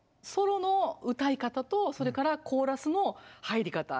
ソロの歌い方とそれからコーラスの入り方。